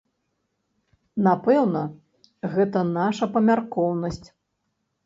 Напэўна, гэта наша памяркоўнасць.